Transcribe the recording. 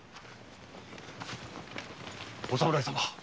お侍様